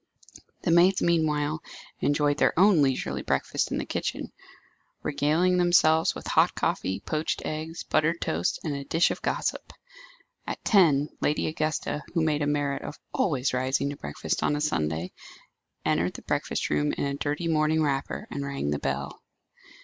The maids meanwhile enjoyed their own leisurely breakfast in the kitchen, regaling themselves with hot coffee, poached eggs, buttered toast, and a dish of gossip. At ten, Lady Augusta, who made a merit of always rising to breakfast on a Sunday, entered the breakfast room in a dirty morning wrapper, and rang the bell.